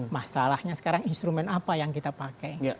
masalahnya sekarang instrumen apa yang kita pakai